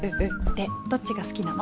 でどっちが好きなの？